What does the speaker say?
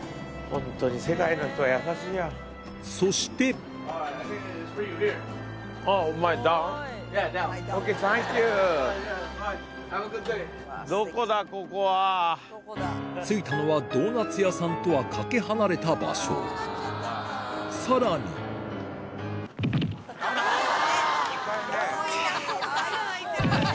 そして着いたのはドーナツ屋さんとはかけ離れた場所さらに危なっ！